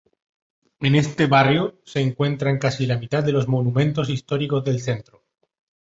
En este barrio se encuentran casi la mitad de los monumentos históricos del centro.